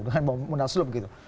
dengan mau munaslup gitu